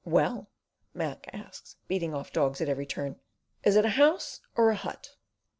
"Well?" Mac asked, beating off dogs at every turn. "Is it a House or a Hut?"